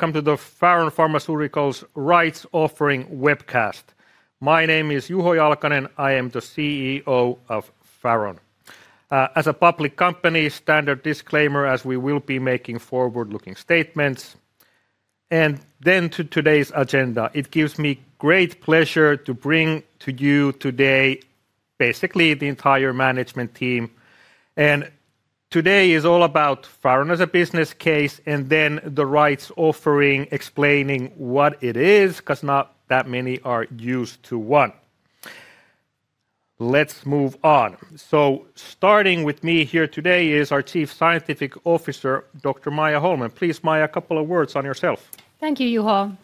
Welcome to the Faron Pharmaceuticals Rights Offering webcast. My name is Juho Jalkanen. I am the CEO of Faron. As a public company, standard disclaimer as we will be making forward-looking statements. To today's agenda. It gives me great pleasure to bring to you today basically the entire management team. Today is all about Faron as a business case, and then the rights offering, explaining what it is, 'cause not that many are used to one. Let's move on. Starting with me here today is our Chief Scientific Officer, Dr. Maija Hollmén. Please, Maija, a couple of words on yourself. Thank you, Juho.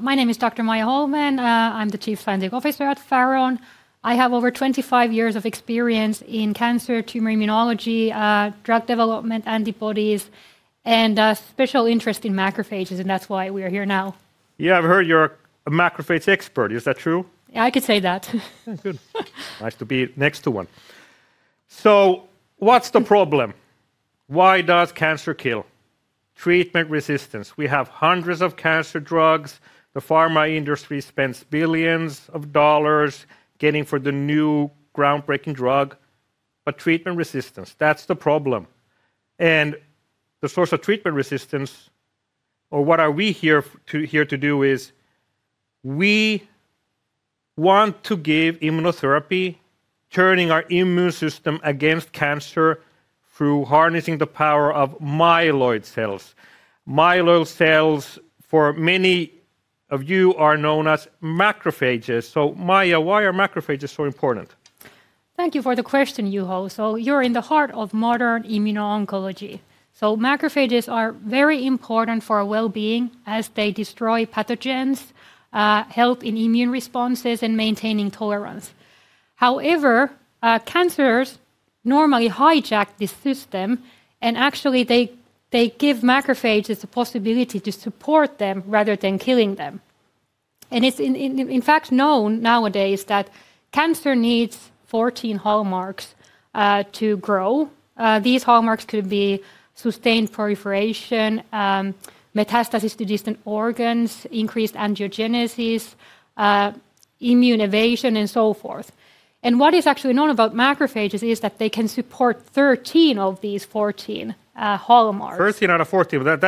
My name is Dr. Maija Hollmén. I'm the Chief Scientific Officer at Faron. I have over 25 years of experience in cancer tumor immunology, drug development, antibodies, and a special interest in macrophages, and that's why we are here now. Yeah, I've heard you're a macrophage expert. Is that true? I could say that. Good. Nice to be next to one. What's the problem? Why does cancer kill? Treatment resistance. We have hundreds of cancer drugs. The pharma industry spends billions of dollars getting for the new groundbreaking drug, treatment resistance, that's the problem. The source of treatment resistance, or what are we here to do is we want to give immunotherapy, turning our immune system against cancer through harnessing the power of myeloid cells. Myeloid cells, for many of you, are known as macrophages. Maija, why are macrophages so important? Thank you for the question, Juho. You're in the heart of modern immuno-oncology. Macrophages are very important for our wellbeing, as they destroy pathogens, help in immune responses, and maintaining tolerance. However, cancers normally hijack the system, and actually they give macrophages the possibility to support them rather than killing them. It's in fact known nowadays that cancer needs 14 hallmarks to grow. These hallmarks could be sustained proliferation, metastasis to distant organs, increased angiogenesis, immune evasion, and so forth. What is actually known about macrophages is that they can support 13 of these 14 hallmarks. 13 out of 14.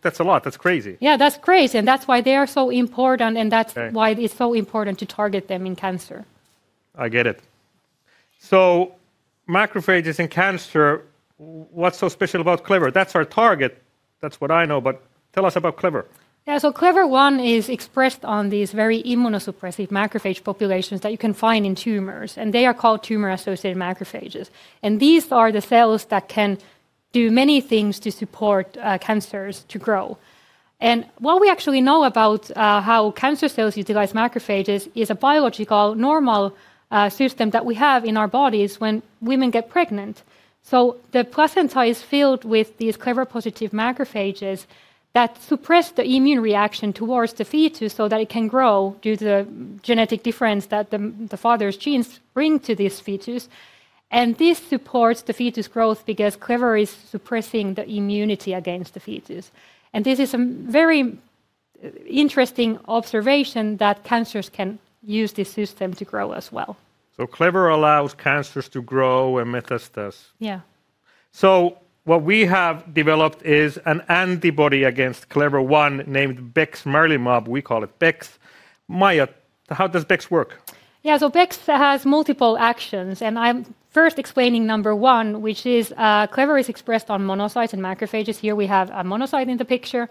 That's a lot. That's crazy. Yeah, that's crazy, and that's why they are so important. Okay Why it's so important to target them in cancer. I get it. Macrophages in cancer, what's so special about CLEC? That's our target. That's what I know, but tell us about CLEC. CLEC-1 is expressed on these very immunosuppressive macrophage populations that you can find in tumors, and they are called tumor-associated macrophages. These are the cells that can do many things to support cancers to grow. What we actually know about how cancer cells utilize macrophages is a biological normal system that we have in our bodies when women get pregnant. The placenta is filled with these CLEC-1 positive macrophages that suppress the immune reaction towards the fetus so that it can grow due to the genetic difference that the father's genes bring to this fetus, and this supports the fetus growth because CLEC-1 is suppressing the immunity against the fetus. This is a very interesting observation, that cancers can use this system to grow as well. CLEC allows cancers to grow and metastasize. Yeah. What we have developed is an antibody against CLEC-1 named bexmarilimab. We call it BEX. Maija, how does BEX work? BEX has multiple actions, and I'm first explaining number one, which is CLEC-1 is expressed on monocytes and macrophages. Here we have a monocyte in the picture.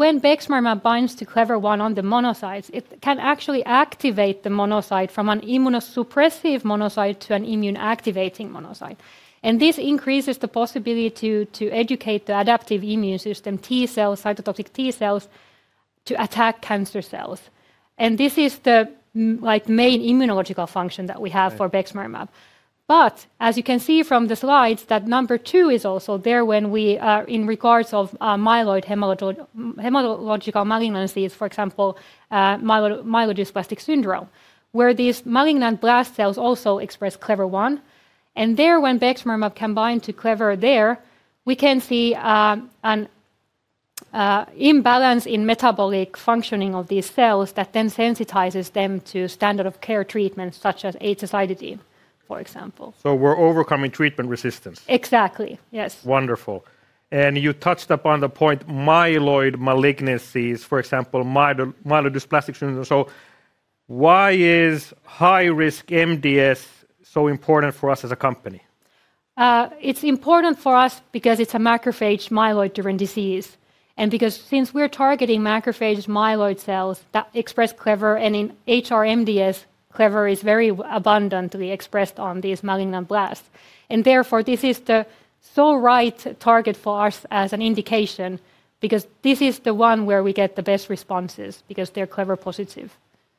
When bexmarilimab binds to CLEC-1 on the monocytes, it can actually activate the monocyte from an immunosuppressive monocyte to an immune activating monocyte. This increases the possibility to educate the adaptive immune system T cells, cytotoxic T cells, to attack cancer cells. This is the like main immunological function that we have. Right For bexmarilimab. As you can see from the slides, that number two is also there when we are in regards of myeloid hematological malignancies, for example, myelodysplastic syndrome, where these malignant blast cells also express CLEC-1. There, when bexmarilimab can bind to CLEC there, we can see an imbalance in metabolic functioning of these cells that then sensitizes them to standard of care treatments such as azacitidine, for example. We're overcoming treatment resistance. Exactly, yes. Wonderful. You touched upon the point myeloid malignancies, for example, myelodysplastic syndrome. Why is high-risk MDS so important for us as a company? It's important for us because it's a macrophage myeloid-driven disease, and because since we're targeting macrophages' myeloid cells that express CLEC, and in HR-MDS, CLEC is very abundantly expressed on these malignant blasts. Therefore, this is so the right target for us as an indication because this is the one where we get the best responses, because they're CLEC positive.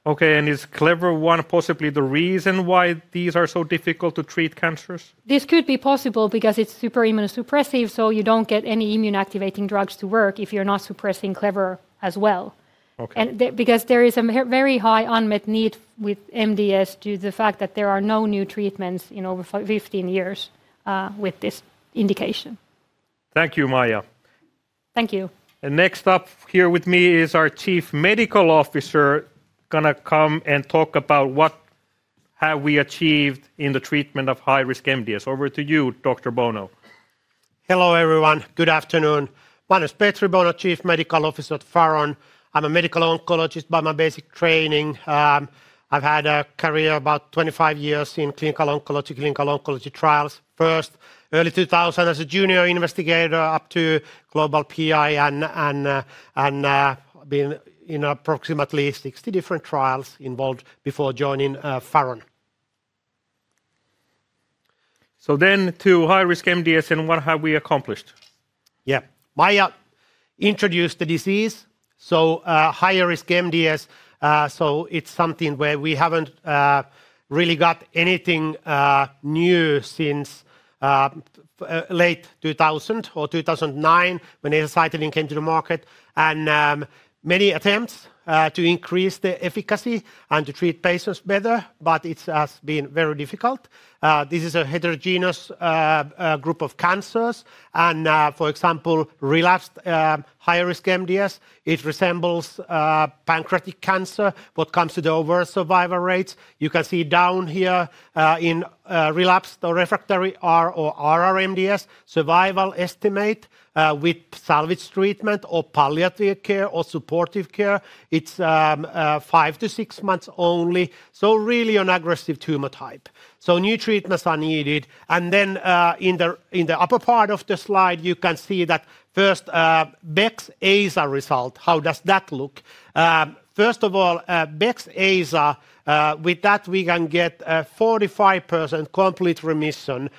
Okay, is CLEC-1 possibly the reason why these are so difficult to treat cancers? This could be possible because it's super immunosuppressive, so you don't get any immune activating drugs to work if you're not suppressing CLEC as well. Because there is a very high unmet need with MDS due to the fact that there are no new treatments in over 15 years with this indication. Thank you, Maija. Thank you. Next up here with me is our Chief Medical Officer gonna come and talk about what have we achieved in the treatment of high-risk MDS. Over to you, Dr. Bono. Hello, everyone. Good afternoon. My name is Petri Bono, Chief Medical Officer at Faron. I'm a medical oncologist by my basic training. I've had a career about 25 years in clinical oncology trials first, early 2000 as a junior investigator up to global PI and been in approximately 60 different trials involved before joining Faron. To high-risk MDS and what have we accomplished. Yeah. Maija introduced the disease. High-risk MDS, so it's something where we haven't really got anything new since late 2000 or 2009 when azacitidine came to the market. Many attempts to increase the efficacy and to treat patients better, but it has been very difficult. This is a heterogeneous group of cancers and, for example, relapsed high-risk MDS, it resembles pancreatic cancer what comes to the overall survival rates. You can see down here, in relapsed or refractory R or RR MDS, survival estimate with salvage treatment or palliative care or supportive care, it's five-six months only, so really an aggressive tumor type. New treatments are needed. In the upper part of the slide, you can see that first BEXMAB result. How does that look? First of all, BEXMAB with that we can get a 45% complete remission,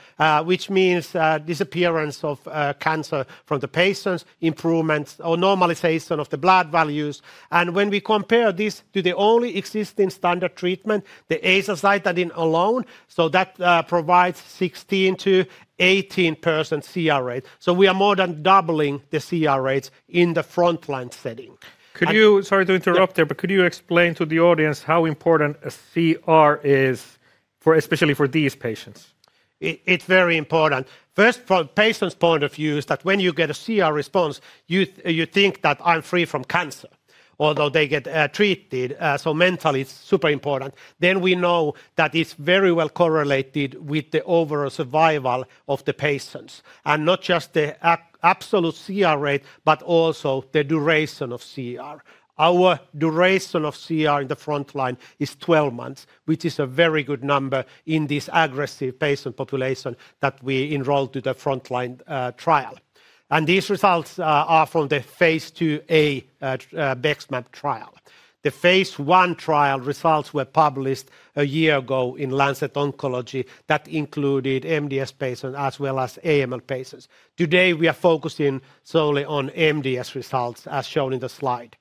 which means disappearance of cancer from the patients, improvements or normalization of the blood values. When we compare this to the only existing standard treatment, the azacitidine alone, that provides 16%-18% CR rate. We are more than doubling the CR rates in the frontline setting. Sorry to interrupt there, but could you explain to the audience how important a CR is for, especially for these patients? It's very important. First from patient's point of view is that when you get a CR response, you think that I'm free from cancer, although they get treated, so mentally it's super important. We know that it's very well correlated with the overall survival of the patients, and not just the absolute CR rate, but also the duration of CR. Our duration of CR in the frontline is 12 months, which is a very good number in this aggressive patient population that we enroll to the frontline trial. These results are from the phase 2a BEXMAB trial. The phase I trial results were published a year ago in The Lancet Oncology that included MDS patient as well as AML patients. Today, we are focusing solely on MDS results as shown in the slide.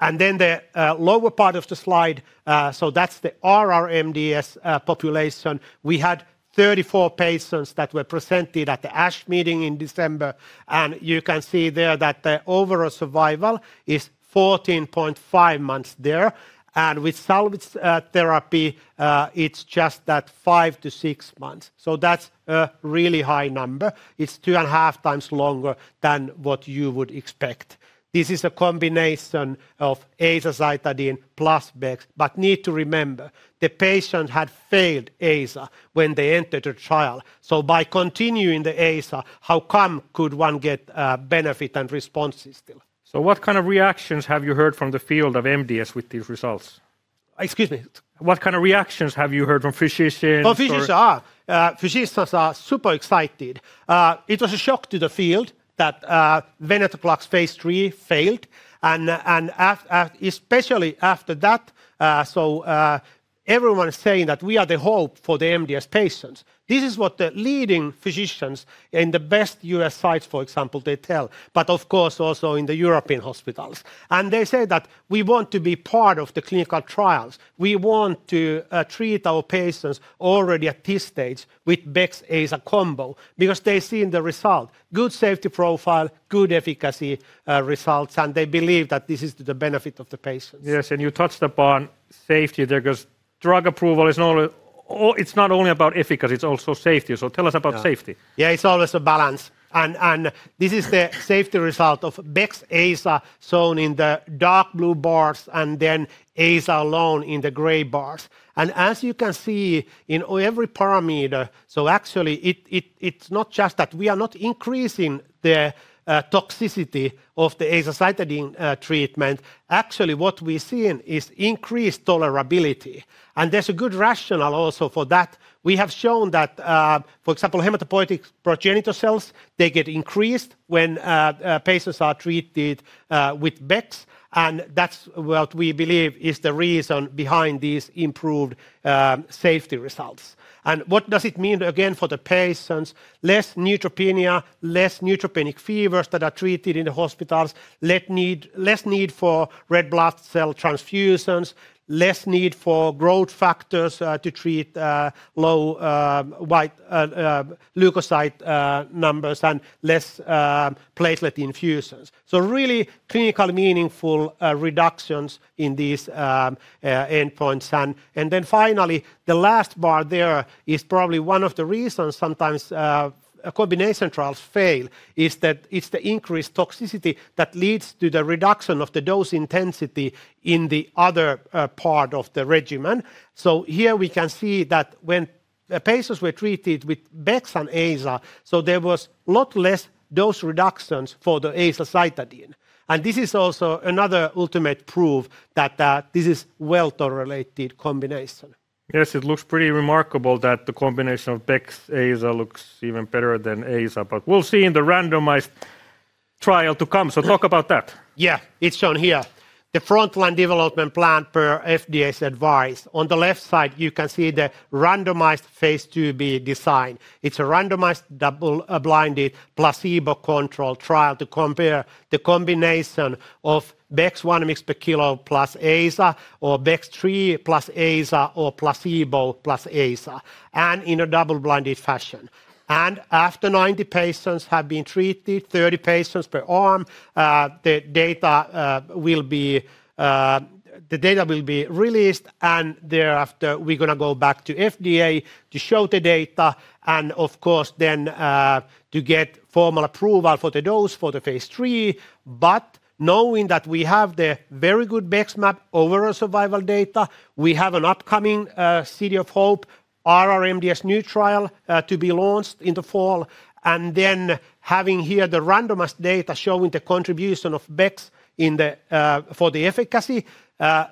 The lower part of the slide, that's the RR MDS population. We had 34 patients that were presented at the ASH meeting in December, and you can see there that the overall survival is 14.5 months there. With salvage therapy, it's just that five-six months. That's a really high number. It's 2.5 times longer than what you would expect. This is a combination of azacitidine plus BEX. Need to remember, the patient had failed AZA when they entered the trial, so by continuing the AZA, how come could one get benefit and responses still? What kind of reactions have you heard from the field of MDS with these results? Excuse me? What kind of reactions have you heard from physicians or. Physicians are super excited. It was a shock to the field that venetoclax phase III failed, especially after that. Everyone is saying that we are the hope for the MDS patients. This is what the leading physicians in the best U.S. sites, for example, tell, but of course also in the European hospitals. They say that we want to be part of the clinical trials. We want to treat our patients already at this stage with BEX-AZA combo because they've seen the result. Good safety profile, good efficacy, results, and they believe that this is to the benefit of the patients. Yes, you touched upon safety there 'cause drug approval is only, it's not only about efficacy, it's also safety. Tell us about safety. Yeah. Yeah, it's always a balance and this is the safety result of bexmarilimab + azacitidine shown in the dark blue bars and then azacitidine alone in the gray bars. As you can see in every parameter, so actually it's not just that we are not increasing the toxicity of the azacitidine treatment. Actually, what we're seeing is increased tolerability, and there's a good rationale also for that. We have shown that for example, hematopoietic progenitor cells, they get increased when patients are treated with bexmarilimab, and that's what we believe is the reason behind these improved safety results. What does it mean again for the patients? Less neutropenia, less neutropenic fevers that are treated in the hospitals, less need for red blood cell transfusions, less need for growth factors to treat low leukocyte numbers, and less platelet infusions. Really clinically meaningful reductions in these endpoints. Finally the last bar there is probably one of the reasons sometimes combination trials fail is that it's the increased toxicity that leads to the reduction of the dose intensity in the other part of the regimen. Here we can see that when the patients were treated with BEX and AZA, there was a lot less dose reductions for the azacitidine. This is also another ultimate proof that this is a well-tolerated combination. Yes, it looks pretty remarkable that the combination of BEX-AZA looks even better than AZA, but we'll see in the randomized trial to come. Talk about that. Yeah. It's shown here. The frontline development plan per FDA's advice. On the left side, you can see the randomized phase IIb design. It's a randomized double-blinded placebo controlled trial to compare the combination of BEX 1 mg per kilo +AZA or BEX 3+AZA or placebo +AZA, and in a double-blinded fashion. After 90 patients have been treated, 30 patients per arm, the data will be released and thereafter we're gonna go back to FDA to show the data and of course then to get formal approval for the dose for the phase III. Knowing that we have the very good BEXMAB overall survival data, we have an upcoming City of Hope RR MDS new trial to be launched in the fall, and then having here the randomized data showing the contribution of BEX in the combo for the efficacy,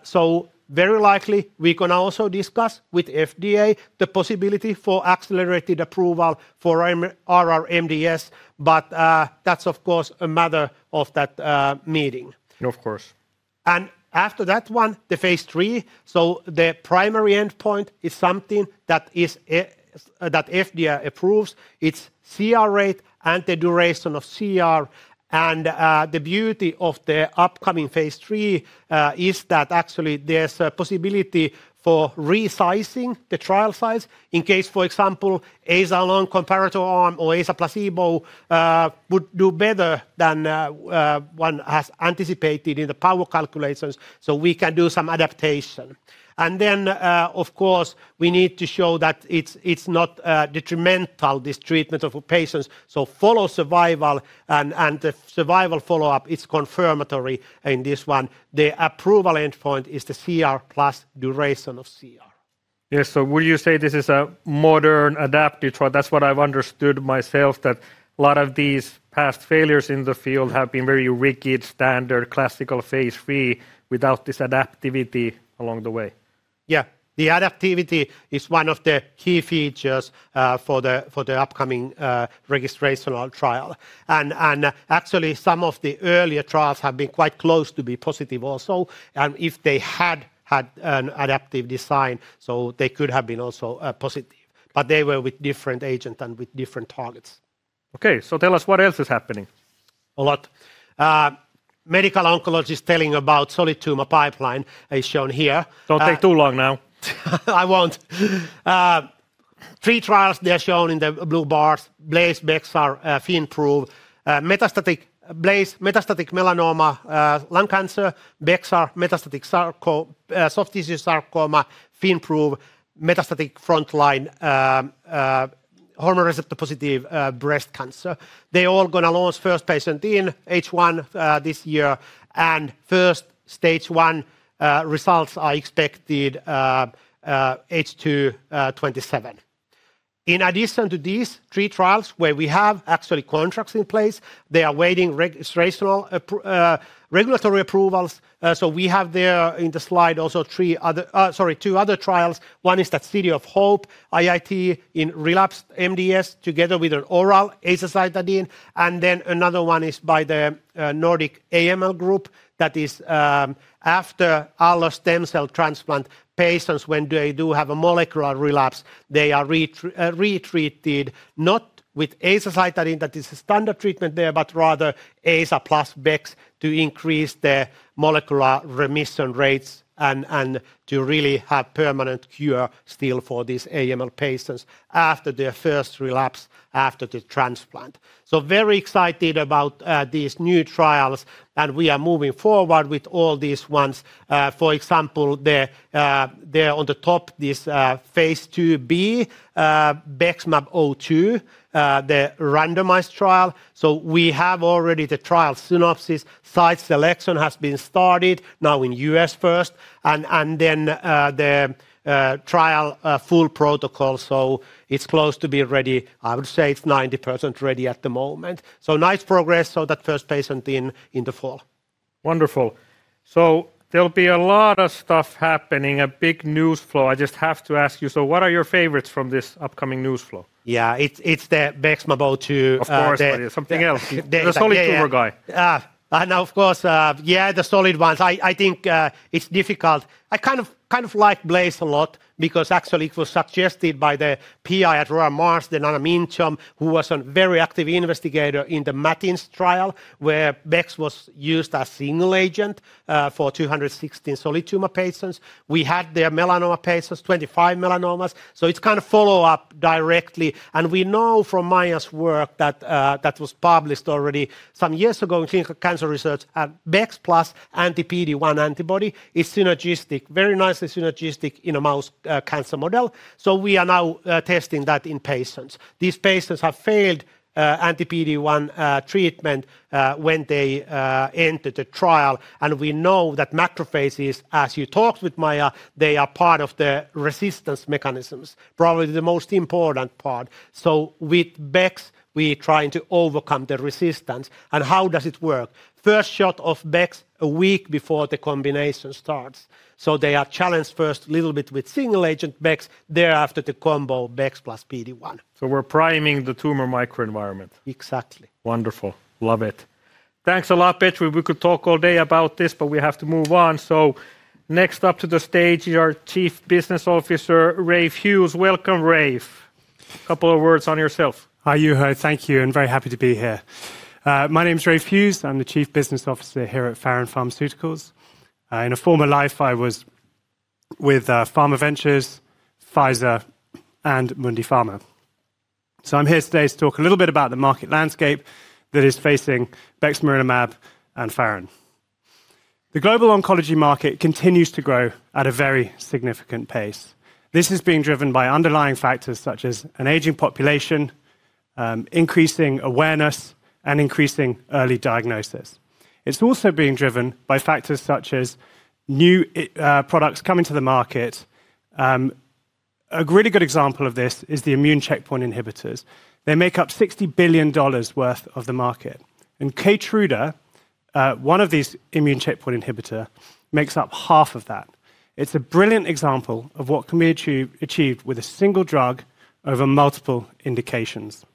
so very likely we can also discuss with FDA the possibility for accelerated approval for RR MDS, but that's of course a matter of that meeting. Of course. After that one, the phase 3, the primary endpoint is something that is that FDA approves. It's CR rate and the duration of CR and the beauty of the upcoming phase III is that actually there's a possibility for resizing the trial size in case, for example, AZA alone comparator arm or AZA placebo would do better than one has anticipated in the power calculators. We can do some adaptation. Of course, we need to show that it's not detrimental, this treatment for patients, so follow survival and the survival follow-up, it's confirmatory in this one. The approval endpoint is the CR plus duration of CR. Yes. Would you say this is a modern adaptive trial? That's what I've understood myself, that a lot of these past failures in the field have been very rigid standard classical phase III without this adaptivity along the way. Yeah. The adaptivity is one of the key features for the upcoming registrational trial. Actually some of the earlier trials have been quite close to be positive also, and if they had had an adaptive design, they could have been also positive. They were with different agent and with different targets. Okay. Tell us what else is happening. A lot. Medical oncologist telling about solid tumor pipeline is shown here. Don't take too long now. I won't. Three trials, they are shown in the blue bars, BLAZE, BEXAR, FINPROVE. Metastatic BLAZE, metastatic melanoma, lung cancer, BEXAR, metastatic soft tissue sarcoma, FINPROVE, metastatic frontline, hormone receptor positive, breast cancer. They all gonna launch first patient in H1 this year, and first stage one results are expected, H2 2027. In addition to these three trials where we have actually contracts in place, they are waiting regulatory approvals. We have there in the slide also two other trials. One is that City of Hope IIT in relapsed MDS together with an oral azacitidine, and then another one is by the Nordic AML Group that is after allo stem cell transplant patients, when they do have a molecular relapse, they are retreated not with azacitidine, that is the standard treatment there, but rather AZA + BEX to increase the molecular remission rates and to really have permanent cure still for these AML patients after their first relapse after the transplant. Very excited about these new trials, and we are moving forward with all these ones. For example, the one on the top, this phase 2b BEXMAB-02, the randomized trial. We have already the trial synopsis. Site selection has been started now in U.S. first, and then the trial full protocol. It's close to be ready. I would say it's 90% ready at the moment. Nice progress, so that first patient in the fall. Wonderful. There'll be a lot of stuff happening, a big news flow. I just have to ask you, so what are your favorites from this upcoming news flow? Yeah. It's the BEX is about to. Of course, something else. Yeah. The solid tumor guy. Now of course, yeah, the solid ones. I think it's difficult. I kind of like BLAZE a lot because actually it was suggested by the PI at The Royal Marsden, Anna Minchom, who was a very active investigator in the MATINS trial where BEX was used as single agent for 216 solid tumor patients. We had their melanoma patients, 25 melanomas. It's kinda follow-up directly, and we know from Maija's work that that was published already some years ago in Clinical Cancer Research, BEX plus anti-PD-1 antibody is synergistic, very nicely synergistic in a mouse cancer model. We are now testing that in patients. These patients have failed anti-PD-1 treatment when they entered the trial, and we know that macrophages, as you talked with Maija, they are part of the resistance mechanisms, probably the most important part. With BEX, we trying to overcome the resistance. How does it work? First shot of BEX a week before the combination starts. They are challenged first little bit with single agent Bex. Thereafter, the combo BEX plus PD-1. We're priming the tumor microenvironment? Exactly. Wonderful. Love it. Thanks a lot, Petri. We could talk all day about this, but we have to move on. Next up to the stage is our Chief Business Officer, Ralph Hughes. Welcome, Ralph. Couple of words on yourself. Hi, Juho. Thank you and very happy to be here. My name's Ralph Hughes. I'm the Chief Business Officer here at Faron Pharmaceuticals. In a former life I was with PharmaVentures, Pfizer, and Mundipharma. I'm here today to talk a little bit about the market landscape that is facing bexmarilimab and Faron. The global oncology market continues to grow at a very significant pace. This is being driven by underlying factors such as an aging population, increasing awareness, and increasing early diagnosis. It's also being driven by factors such as new products coming to the market. A really good example of this is the immune checkpoint inhibitors. They make up $60 billion worth of the market. Keytruda, one of these immune checkpoint inhibitor, makes up half of that. It's a brilliant example of what can be achieved with a single drug over multiple indications.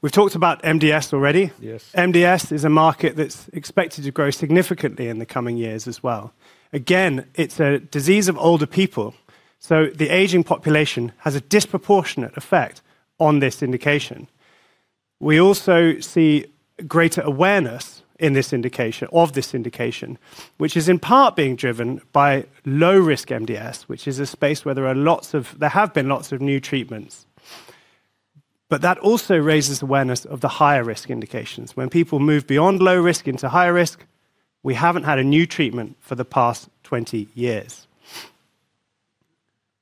We've talked about MDS already. Yes. MDS is a market that's expected to grow significantly in the coming years as well. Again, it's a disease of older people, so the aging population has a disproportionate effect on this indication. We also see greater awareness of this indication, which is in part being driven by low-risk MDS, which is a space where there have been lots of new treatments. But that also raises awareness of the higher-risk indications. When people move beyond low-risk into higher-risk, we haven't had a new treatment for the past 20 years.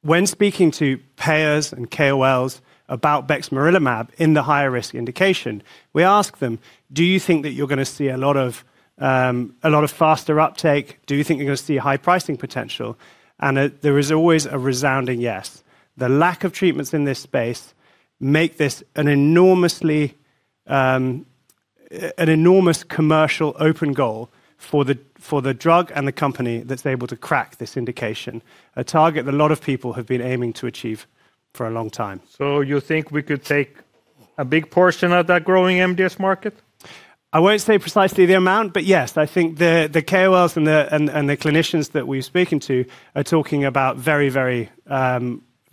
When speaking to payers and KOLs about bexmarilimab in the higher-risk indication, we ask them, "Do you think that you're gonna see a lot of faster uptake? Do you think you're gonna see high pricing potential?" There is always a resounding yes. The lack of treatments in this space make this an enormous commercial open goal for the drug and the company that's able to crack this indication. A target that a lot of people have been aiming to achieve for a long time. You think we could take a big portion of that growing MDS market? I won't say precisely the amount, but yes. I think the KOLs and the clinicians that we're speaking to are talking about very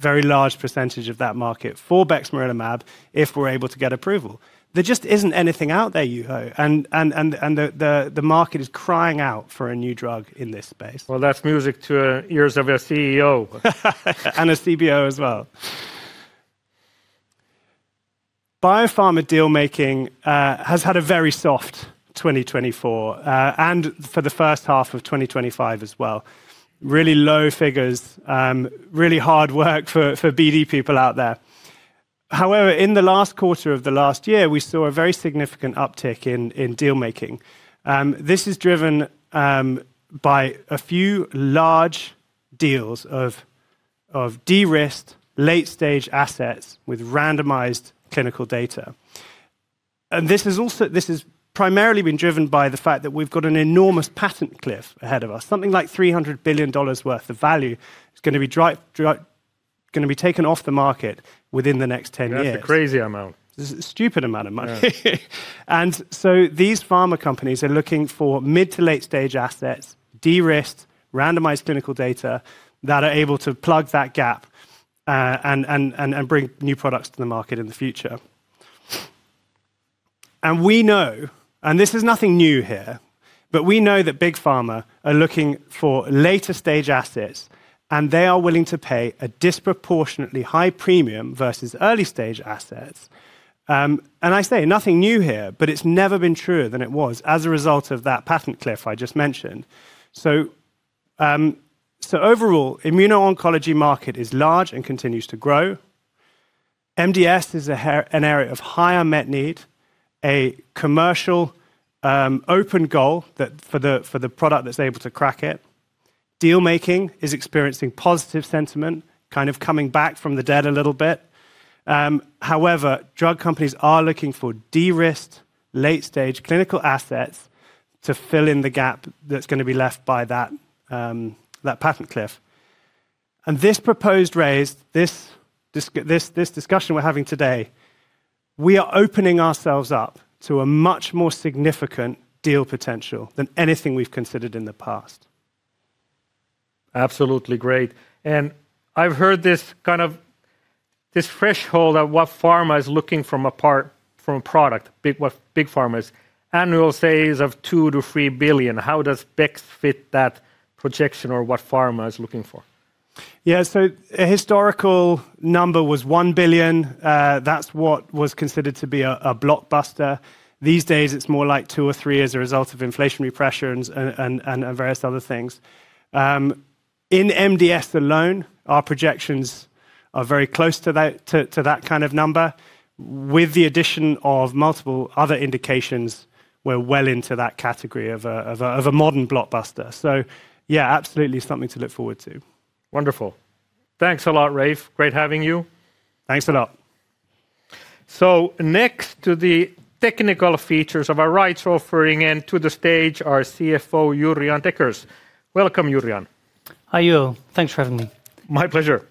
large percentage of that market for bexmarilimab if we're able to get approval. There just isn't anything out there, Juho. The market is crying out for a new drug in this space. Well, that's music to ears of a CEO. A CBO as well. Biopharma deal-making has had a very soft 2024 and for the first half of 2025 as well. Really low figures. Really hard work for BD people out there. However, in the last quarter of the last year, we saw a very significant uptick in deal making. This is driven by a few large deals of de-risked late-stage assets with randomized clinical data. This has primarily been driven by the fact that we've got an enormous patent cliff ahead of us. Something like $300 billion worth of value is gonna be taken off the market within the next 10 years. That's a crazy amount. It's a stupid amount of money. Yeah. These pharma companies are looking for mid- to late-stage assets, de-risked, randomized clinical data, that are able to plug that gap, and bring new products to the market in the future. We know, and this is nothing new here, but we know that big pharma are looking for later stage assets, and they are willing to pay a disproportionately high premium versus early stage assets. I say nothing new here, but it's never been truer than it was as a result of that patent cliff I just mentioned. Overall, immuno-oncology market is large and continues to grow. MDS is an area of higher unmet need, a commercial open goal that for the product that's able to crack it. Deal making is experiencing positive sentiment, kind of coming back from the dead a little bit. However, drug companies are looking for de-risked late-stage clinical assets to fill in the gap that's gonna be left by that patent cliff. This proposed raise, this discussion we're having today, we are opening ourselves up to a much more significant deal potential than anything we've considered in the past. Absolutely great. I've heard this threshold of what pharma is looking for from a product, what big pharma is. Annual sales of $2 billion-$3 billion. How does BEX fit that projection or what pharma is looking for? Yeah. A historical number was 1 billion. That's what was considered to be a blockbuster. These days it's more like 2 or 3 billion as a result of inflationary pressure and various other things. In MDS alone, our projections are very close to that kind of number. With the addition of multiple other indications, we're well into that category of a modern blockbuster. Yeah, absolutely something to look forward to. Wonderful. Thanks a lot, Ralph. Great having you. Thanks a lot. Next to the technical features of our rights offering and to the stage, our CFO, Jurriaan Dekkers. Welcome, Jurriaan. Hi, Juho. Thanks for having me. My pleasure.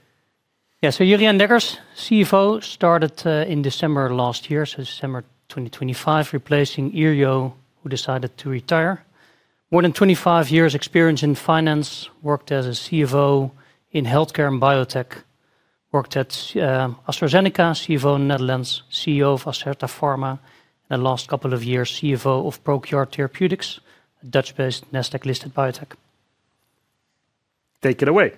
Jurriaan Dekkers, CFO, started in December last year, so December 2025, replacing Yrjö Wichmann, who decided to retire. More than 25 years experience in finance. Worked as a CFO in healthcare and biotech. Worked at AstraZeneca, CFO Netherlands, CEO of Acerta Pharma, and the last couple of years, CFO of ProQR Therapeutics, a Dutch-based Nasdaq-listed biotech. Take it away.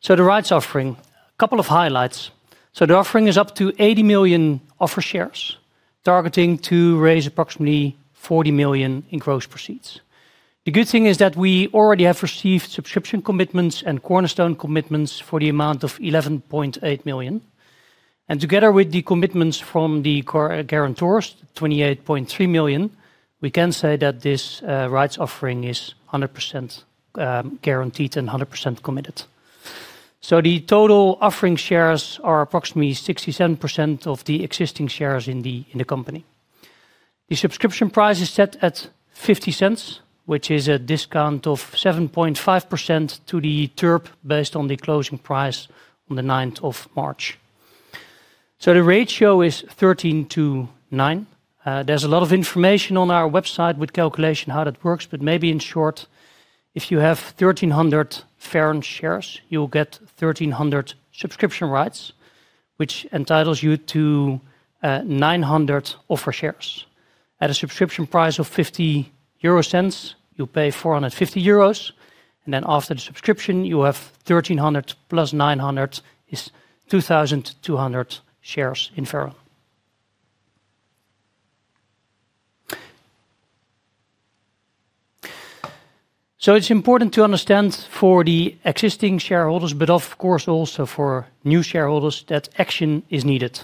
The rights offering, couple of highlights. The offering is up to 80 million offer shares, targeting to raise approximately 40 million in gross proceeds. The good thing is that we already have received subscription commitments and cornerstone commitments for the amount of 11.8 million. Together with the commitments from the core guarantors, 28.3 million, we can say that this rights offering is 100% guaranteed and 100% committed. The total offering shares are approximately 67% of the existing shares in the company. The subscription price is set at 0.50, which is a discount of 7.5% to the TERP based on the closing price on the ninth of March. The ratio is 13 to nine. There's a lot of information on our website with calculation how that works, but maybe in short, if you have 1,300 Faron shares, you'll get 1,300 subscription rights, which entitles you to 900 offer shares. At a subscription price of 0.50, you'll pay 450 euros, and then after the subscription you have 1,300+900 is 2,200 shares in Faron. It's important to understand for the existing shareholders, but of course also for new shareholders, that action is needed.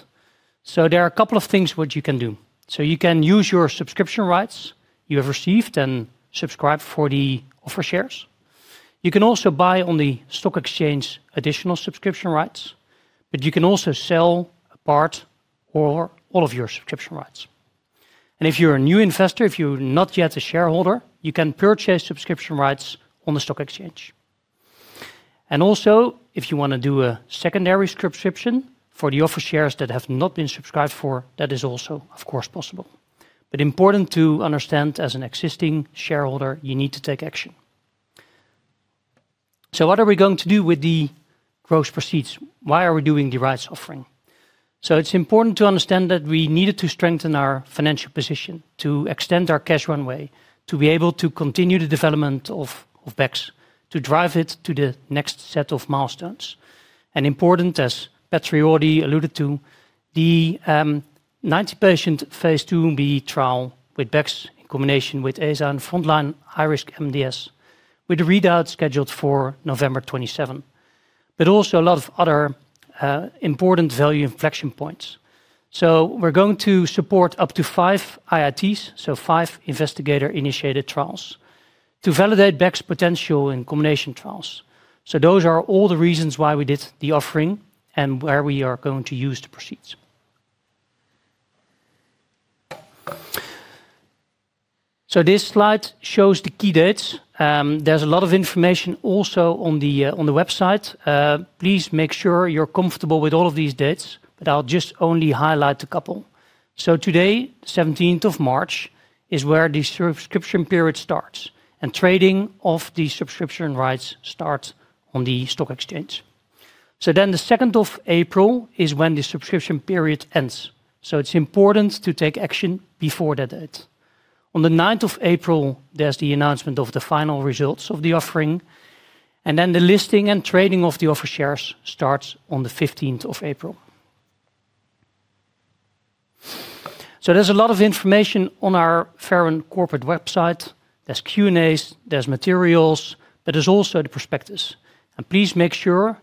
There are a couple of things which you can do. You can use your subscription rights you have received and subscribe for the offer shares. You can also buy on the stock exchange additional subscription rights, but you can also sell a part or all of your subscription rights. If you're a new investor, if you're not yet a shareholder, you can purchase subscription rights on the stock exchange. Also, if you wanna do a secondary subscription for the offer shares that have not been subscribed for, that is also of course possible. Important to understand as an existing shareholder, you need to take action. What are we going to do with the gross proceeds? Why are we doing the rights offering? It's important to understand that we needed to strengthen our financial position to extend our cash runway, to be able to continue the development of BEX, to drive it to the next set of milestones. Important, as Petri already alluded to, the 90-patient phase IIb trial with BEX in combination with AZA in frontline high-risk MDS, with the readout scheduled for November 2027. A lot of other important value inflection points. We're going to support up to five IITs, five investigator-initiated trials, to validate BEX potential in combination trials. Those are all the reasons why we did the offering and where we are going to use the proceeds. This slide shows the key dates. There's a lot of information also on the website. Please make sure you're comfortable with all of these dates, but I'll just only highlight a couple. Today, 17th of March, is where the subscription period starts and trading of the subscription rights starts on the stock exchange. The second of April is when the subscription period ends, so it's important to take action before that date. On the 9th of April, there's the announcement of the final results of the offering, and then the listing and trading of the offer shares starts on the 15th of April. There's a lot of information on our Faron corporate website. There's Q&As, there's materials, but there's also the prospectus. Please make sure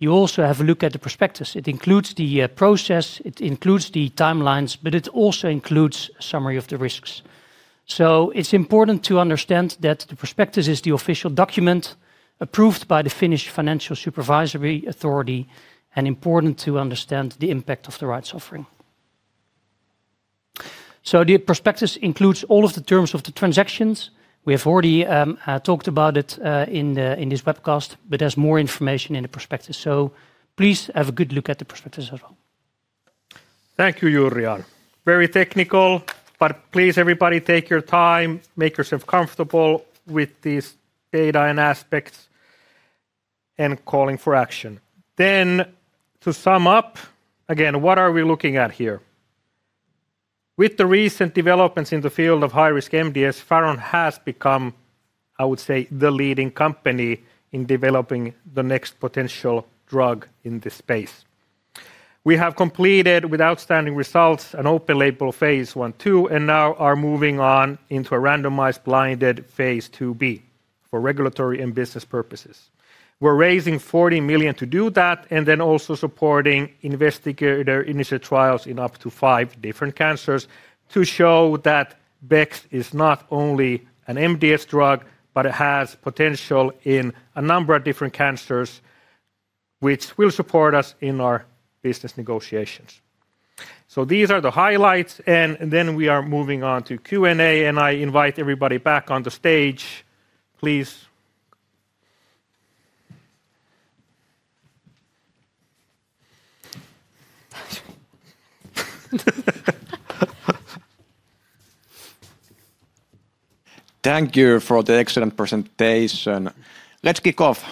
you also have a look at the prospectus. It includes the process, it includes the timelines, but it also includes summary of the risks. It's important to understand that the prospectus is the official document approved by the Finnish Financial Supervisory Authority, and important to understand the impact of the rights offering. The prospectus includes all of the terms of the transactions. We have already talked about it in this webcast, but there's more information in the prospectus. Please have a good look at the prospectus as well. Thank you, Jurriaan. Very technical, but please, everybody, take your time, make yourself comfortable with these data and aspects, and calling for action. To sum up, again, what are we looking at here? With the recent developments in the field of high-risk MDS, Faron has become, I would say, the leading company in developing the next potential drug in this space. We have completed with outstanding results an open-label phase I/II, and now are moving on into a randomized, blinded phase IIb for regulatory and business purposes. We're raising 40 million to do that, and then also supporting investigator-initiated trials in up to five different cancers to show that BEX is not only an MDS drug, but it has potential in a number of different cancers, which will support us in our business negotiations. These are the highlights, and then we are moving on to Q&A, and I invite everybody back on the stage, please. Thank you for the excellent presentation. Let's kick off.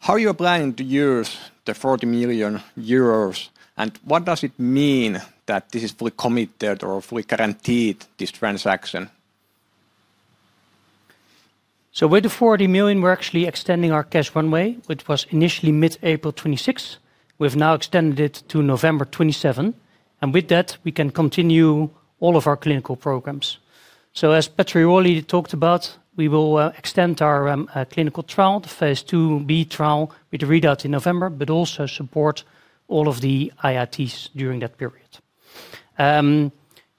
How are you planning to use the 40 million euros, and what does it mean that this is fully committed or fully guaranteed, this transaction? With the 40 million, we're actually extending our cash runway, which was initially mid-April 2026. We've now extended it to November 2027, and with that, we can continue all of our clinical programs. As Petri already talked about, we will extend our clinical trial, the phase 2b trial with readout in November, but also support all of the IITs during that period.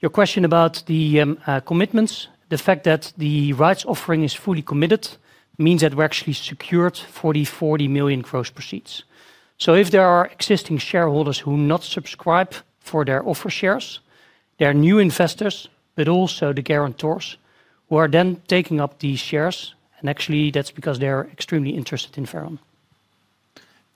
Your question about the commitments, the fact that the rights offering is fully committed means that we've actually secured 40 million gross proceeds. If there are existing shareholders who do not subscribe for their offer shares, there are new investors, but also the guarantors who are then taking up these shares, and actually that's because they're extremely interested in Faron.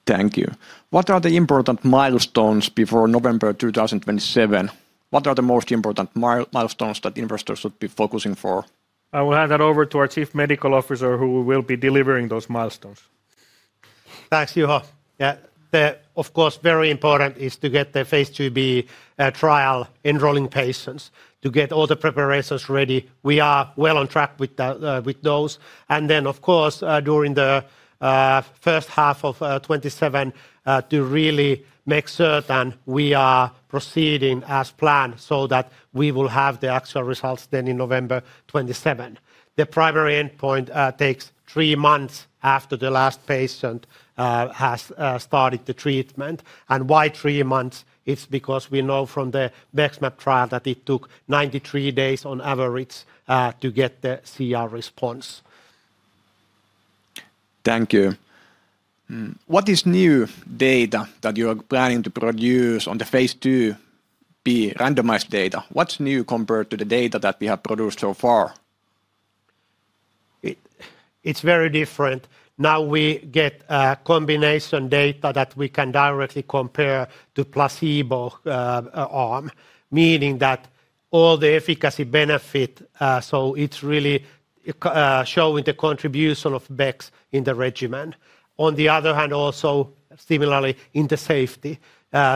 Thank you. What are the important milestones before November 2027? What are the most important milestones that investors should be focusing for? I will hand that over to our Chief Medical Officer who will be delivering those milestones. Thanks, Juho. Yeah. The, of course, very important is to get the phase 2b trial enrolling patients to get all the preparations ready. We are well on track with those. Then, of course, during the first half of 2027 to really make certain we are proceeding as planned so that we will have the actual results then in November 2027. The primary endpoint takes three months after the last patient has started the treatment. Why three months? It's because we know from the BEXMAB trial that it took 93 days on average to get the CR response. Thank you. What is new data that you're planning to produce on the phase 2b randomized data? What's new compared to the data that we have produced so far? It's very different. Now we get combination data that we can directly compare to placebo arm, meaning that all the efficacy benefit, so it's really showing the contribution of BEX in the regimen. On the other hand, also similarly in the safety.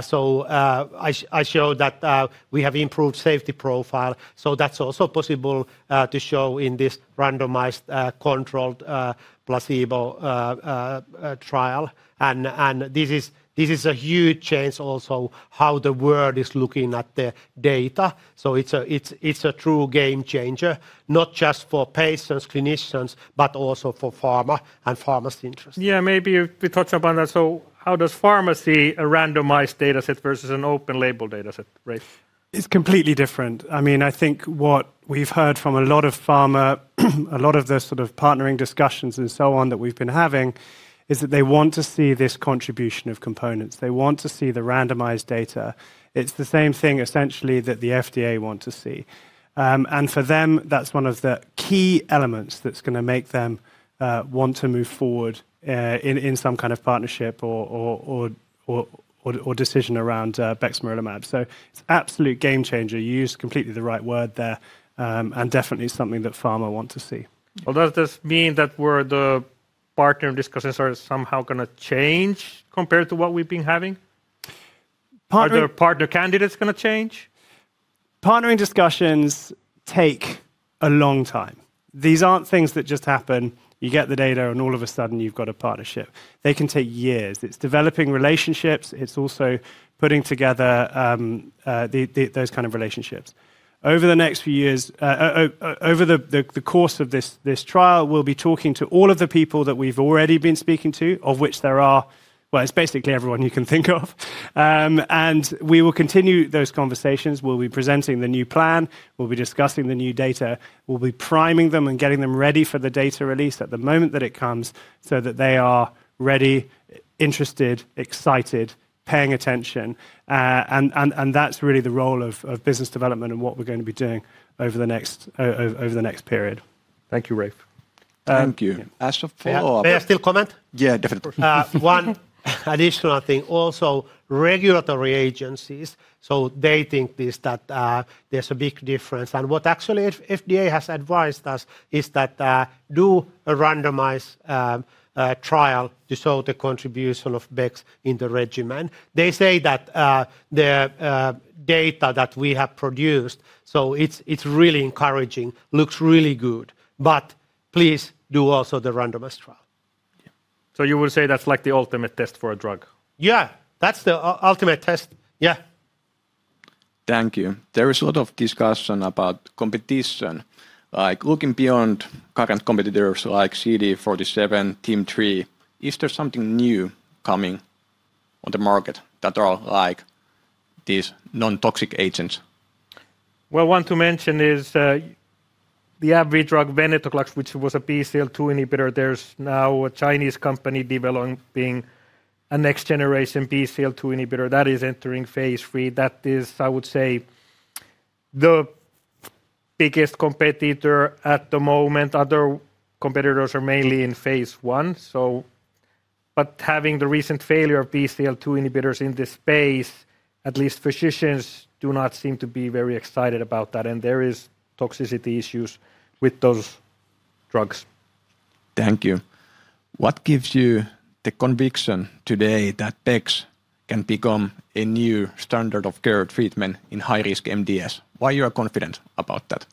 So, I showed that we have improved safety profile, so that's also possible to show in this randomized controlled placebo trial. This is a huge change also how the world is looking at the data. It's a true game changer, not just for patients, clinicians, but also for pharma and pharmacy interest. Yeah. Maybe we touch upon that. How does pharma see a randomized dataset versus an open label dataset, Ralph? It's completely different. I mean, I think what we've heard from a lot of pharma, a lot of the sort of partnering discussions and so on that we've been having, is that they want to see this contribution of components. They want to see the randomized data. It's the same thing essentially that the FDA want to see. For them, that's one of the key elements that's gonna make them want to move forward in some kind of partnership or decision around bexmarilimab. It's absolute game changer. You used completely the right word there. Definitely something that pharma want to see. Well, does this mean that the partner discussions are somehow gonna change compared to what we've been having? Partner. Are there partner candidates gonna change? Partnering discussions take A long time. These aren't things that just happen, you get the data, and all of a sudden you've got a partnership. They can take years. It's developing relationships. It's also putting together those kind of relationships. Over the next few years, over the course of this trial, we'll be talking to all of the people that we've already been speaking to, of which there are. Well, it's basically everyone you can think of. We will continue those conversations. We'll be presenting the new plan. We'll be discussing the new data. We'll be priming them and getting them ready for the data release at the moment that it comes so that they are ready, interested, excited, paying attention. That's really the role of business development and what we're gonna be doing over the next period. Thank you, Ralph. Thank you. May I still comment? Yeah, definitely. One additional thing. Also regulatory agencies, so they think this, that, there's a big difference. What actually FDA has advised us is that, do a randomized trial to show the contribution of BEX in the regimen. They say that, the data that we have produced, it's really encouraging, looks really good. Please do also the randomized trial. Yeah. You would say that's like the ultimate test for a drug? Yeah. That's the ultimate test. Yeah. Thank you. There is a lot of discussion about competition, like looking beyond current competitors like CD47, TIM-3. Is there something new coming on the market that are like these non-toxic agents? Well, one to mention is the AbbVie drug venetoclax, which was a BCL-2 inhibitor. There's now a Chinese company developing a next-generation BCL-2 inhibitor that is entering phase III. That is, I would say, the biggest competitor at the moment. Other competitors are mainly in phase I, so. Having the recent failure of BCL-2 inhibitors in this space, at least physicians do not seem to be very excited about that, and there is toxicity issues with those drugs. Thank you. What gives you the conviction today that bexmarilimab can become a new standard of care treatment in high-risk MDS? Why you are confident about that?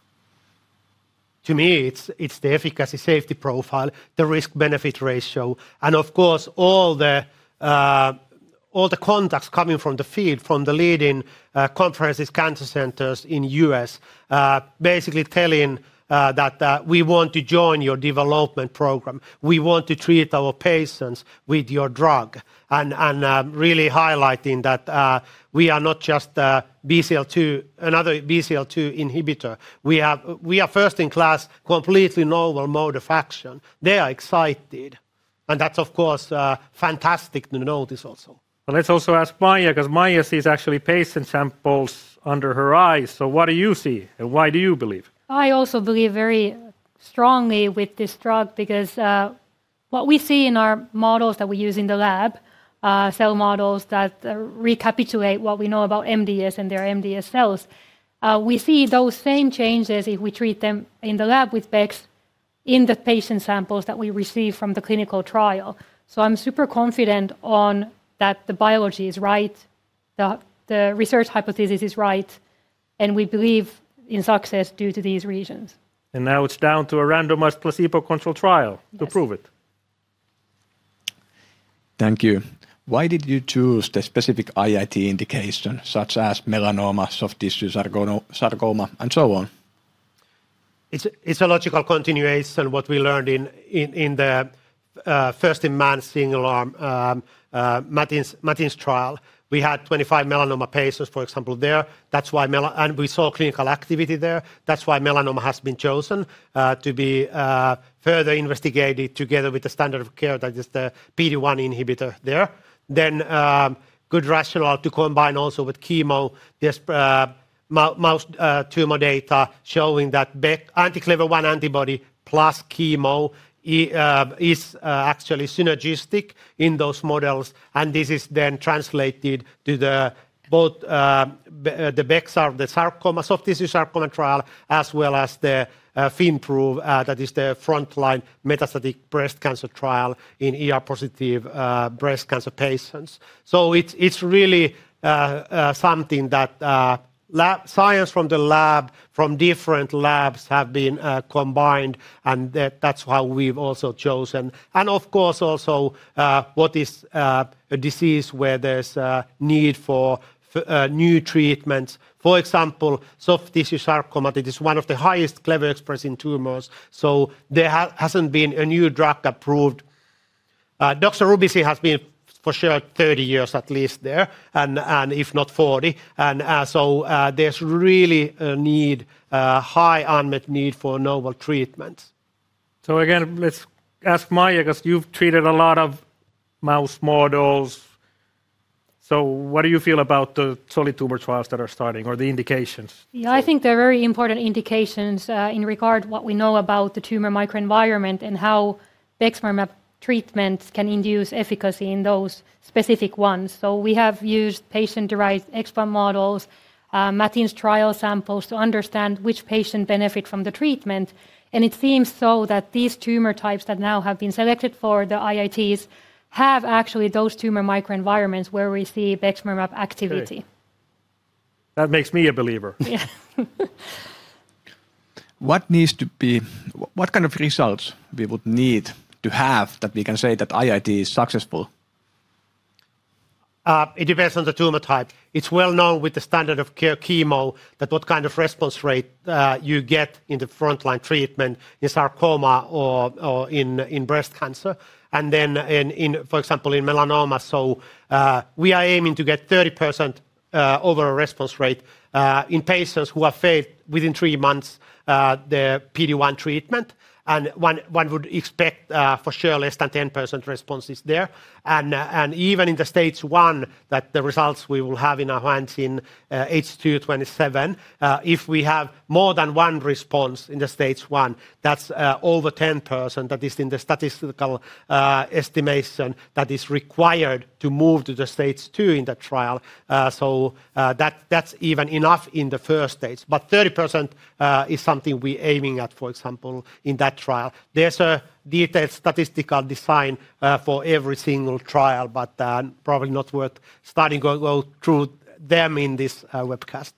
To me, it's the efficacy safety profile, the risk-benefit ratio, and of course, all the contacts coming from the field, from the leading conferences, cancer centers in U.S., basically telling that we want to join your development program. We want to treat our patients with your drug. Really highlighting that we are not just BCL-2, another BCL-2 inhibitor. We are first in class, completely novel mode of action. They are excited, and that's, of course, fantastic to know this also. Well, let's also ask Maija, 'cause Maija sees actually patient samples under her eyes. What do you see, and why do you believe? I also believe very strongly with this drug because what we see in our models that we use in the lab, cell models that recapitulate what we know about MDS and their MDS cells, we see those same changes if we treat them in the lab with bexmarilimab in the patient samples that we receive from the clinical trial. I'm super confident that the biology is right, the research hypothesis is right, and we believe in success due to these reasons. Now it's down to a randomized placebo-controlled trial. Yes To prove it. Thank you. Why did you choose the specific IIT indication, such as melanoma, soft tissue sarcoma, and so on? It's a logical continuation what we learned in the first-in-man single-arm MATINS trial. We had 25 melanoma patients, for example, there. We saw clinical activity there. That's why melanoma has been chosen to be further investigated together with the standard of care that is the PD-1 inhibitor there. Good rationale to combine also with chemo. There's mouse tumor data showing that anti-CLEVER-1 antibody plus chemo is actually synergistic in those models, and this is then translated to both the BEXMAB, the sarcomas soft tissue sarcoma trial, as well as the FINPROVE that is the frontline metastatic breast cancer trial in ER-positive breast cancer patients. It's really something that lab science from the lab from different labs have been combined, and that's why we've also chosen. Of course also what is a disease where there's a need for new treatments. For example, soft tissue sarcoma, it is one of the highest CLEVER expression in tumors, so there hasn't been a new drug approved. Doxorubicin has been for sure 30 years at least there, and if not 40. There's really a need, high unmet need for novel treatments. Again, let's ask Maija, 'cause you've treated a lot of mouse models. What do you feel about the solid tumor trials that are starting or the indications? Yeah, I think they're very important indications, in regard to what we know about the tumor microenvironment and how the bexmarilimab treatments can induce efficacy in those specific ones. We have used patient-derived explant models, MATINS trial samples to understand which patients benefit from the treatment. It seems that these tumor types that now have been selected for the IITs have actually those tumor microenvironments where we see bexmarilimab activity. That makes me a believer. Yeah. What kind of results we would need to have that we can say that IIT is successful? It depends on the tumor type. It's well known with the standard of care chemo that what kind of response rate you get in the frontline treatment in sarcoma or in breast cancer and then, for example, in melanoma. We are aiming to get 30% overall response rate in patients who have failed within three months their PD-1 treatment. One would expect, for sure less than 10% responses there. Even in the stage I, that the results we will have in our hands in H2 2027, if we have more than one response in the stage I, that's over 10%. That is in the statistical estimation that is required to move to the stage II in the trial. That, that's even enough in the first stage. 30% is something we're aiming at, for example, in that trial. There's a detailed statistical design for every single trial, but probably not worth going through them in this webcast.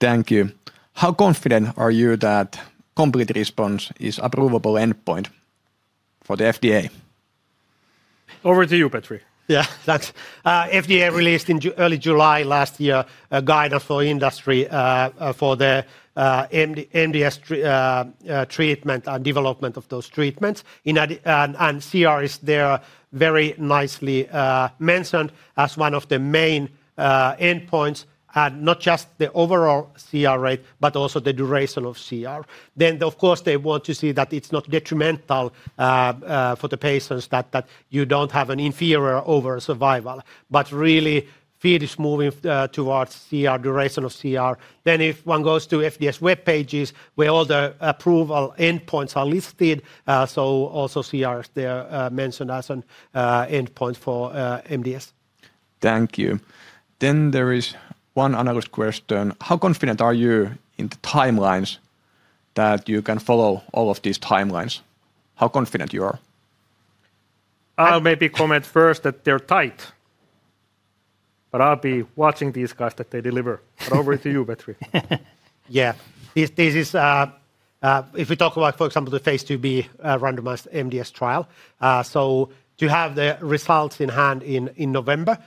Thank you. How confident are you that complete response is approvable endpoint for the FDA? Over to you, Petri. Yeah, that's FDA released in early July last year a guidance for industry for the MDS treatment development of those treatments. CR is there very nicely mentioned as one of the main endpoints, and not just the overall CR rate, but also the duration of CR. Of course, they want to see that it's not detrimental for the patients that you don't have an inferior overall survival. Really, the field is moving towards CR, duration of CR. If one goes to FDA's webpages where all the approval endpoints are listed, so also CR is there mentioned as an endpoint for MDS. Thank you. There is one analyst question. How confident are you in the timelines that you can follow all of these timelines? How confident you are? I'll maybe comment first that they're tight, but I'll be watching these guys that they deliver. Over to you, Petri. This is, if we talk about, for example, the phase 2b randomized MDS trial, to have the results in hand in November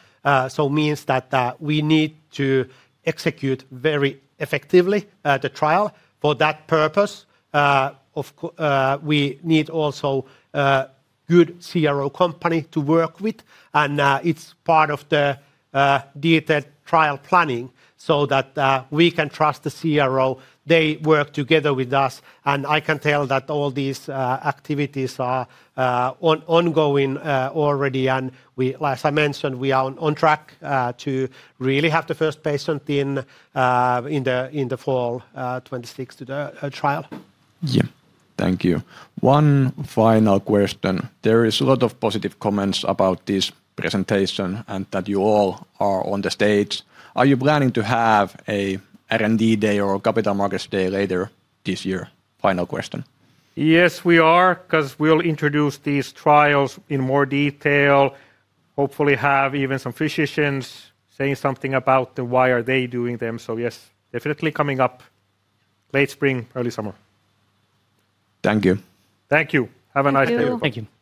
means that we need to execute very effectively the trial. For that purpose, we need also a good CRO company to work with. It's part of the detailed trial planning so that we can trust the CRO. They work together with us, and I can tell that all these activities are ongoing already. As I mentioned, we are on track to really have the first patient in the fall 2026 to the trial. Yeah. Thank you. One final question. There is a lot of positive comments about this presentation and that you all are on the stage. Are you planning to have a R&D day or capital markets day later this year? Final question. Yes, we are, 'cause we'll introduce these trials in more detail. Hopefully we'll have even some physicians saying something about why they are doing them. Yes, definitely coming up late spring, early summer. Thank you. Thank you. Have a nice day, everyone. Thank you.